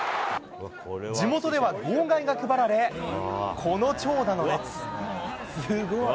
地元では号外が配られ、この長蛇の列。